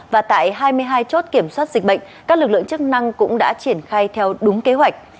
và tại hai mươi hai chốt kiểm soát dịch bệnh các lực lượng chức năng cũng đã triển khai theo đúng kế hoạch